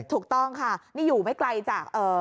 ถูกต้องค่ะนี่อยู่ไม่ไกลจาก